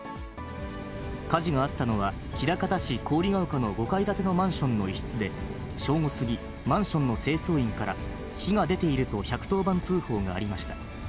火事があったのは、枚方市こおりがおかの５階建てのマンションの一室で、正午過ぎ、マンションの清掃員から、火が出ていると１１０番通報がありました。